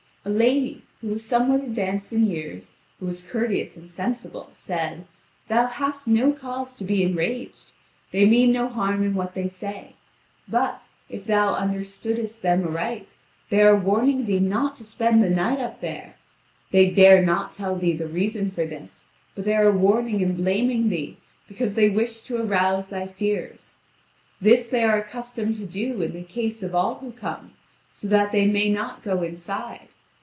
A lady, who was somewhat advanced in years, who was courteous and sensible, said: "Thou hast no cause to be enraged: they mean no harm in what they say; but, if thou understoodest them aright, they are warning thee not to spend the night up there; they dare not tell thee the reason for this, but they are warning and blaming thee because they wish to arouse thy fears. This they are accustomed to do in the case of all who come, so that they may not go inside.